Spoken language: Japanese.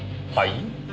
はい？